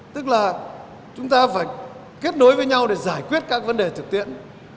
tức là chúng ta phải kết nối với nhau để giải quyết các vấn đề thực tiễn